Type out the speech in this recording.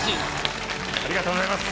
ありがとうございます。